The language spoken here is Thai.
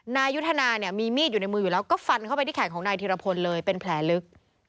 นายยุทธนาเนี่ยมีมีดอยู่ในมืออยู่แล้วก็ฟันเข้าไปที่แขนของนายธิรพลเลยเป็นแผลลึก